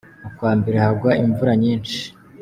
Mu kwa mbere hagwa imvura nyinshi.